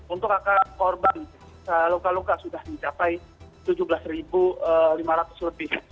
untuk angka korban luka luka sudah mencapai tujuh belas lima ratus lebih